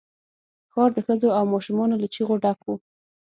ښار د ښځو او ماشومان له چيغو ډک وو.